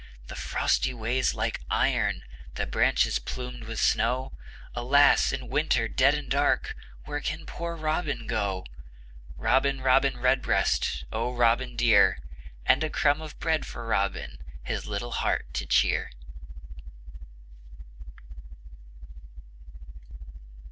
The frosty ways like iron, The branches plumed with snow Alas! in Winter, dead and dark, Where can poor Robin go? Robin, Robin Redbreast, Oh, Robin, dear! And a crumb of bread for Robin, His little heart to cheer.